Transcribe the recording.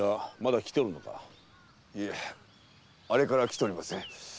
いえあれからきておりません。